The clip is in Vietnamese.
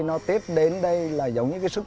nó tiết đến đây là giống như cái sức